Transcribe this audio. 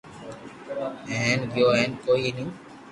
ھي ھين گيو ھي ڪوئي ني